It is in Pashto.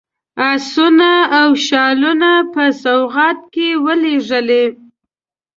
آسونه او شالونه په سوغات کې ولېږلي.